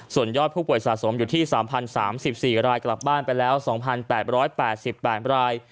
ส่วนยอดผู้ป่วยสะสมอยู่ที่๓๐๓๔รายกลับบ้านไปแล้ว๒๘๘ราย